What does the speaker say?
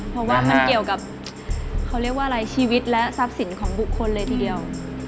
เพราะว่ามันเกี่ยวกับเขาเรียกว่าอะไรชีวิตและทรัพย์สินของบุคคลเลยทีเดียว